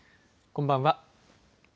こんばんは。